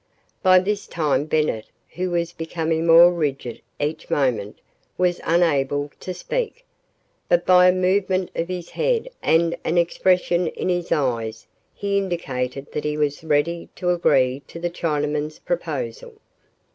By this time Bennett, who was becoming more rigid each moment, was unable to speak, but by a movement of his head and an expression in his eyes he indicated that he was ready to agree to the Chinaman's proposal.